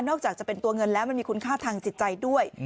อกจากจะเป็นตัวเงินแล้วมันมีคุณค่าทางจิตใจด้วย